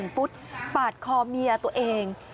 ฟุตปาดคอเมียตัวเอง